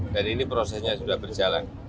dan ini prosesnya sudah berjalan